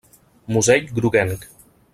Musell groguenc.